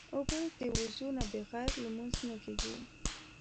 اوبه د وضو نه بغیر لمونځ نه کېږي.